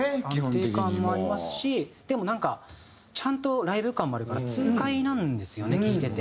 安定感もありますしでもなんかちゃんとライブ感もあるから痛快なんですよね聴いてて。